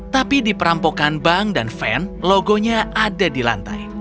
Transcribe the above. tapi di perampokan bank dan van logonya ada di lantai